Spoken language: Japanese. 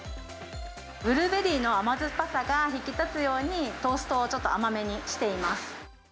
ブルーベリーの甘酸っぱさが引き立つように、トーストをちょっと甘めにしています。